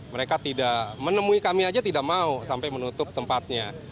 mereka tidak menemui kami saja tidak mau sampai menutup tempatnya